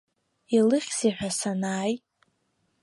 Илыхьзеи ҳәа санааи.